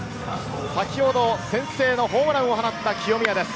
先ほど先制のホームランを放った清宮です。